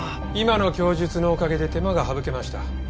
今の供述のおかげで手間が省けました。